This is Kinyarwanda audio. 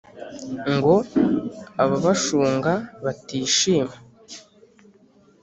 Ngo ababashunga batishima,